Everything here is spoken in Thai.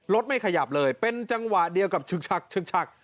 รถไม่ขยับเลยเป็นจังหวะเดียวกับชึกชักชึกชัก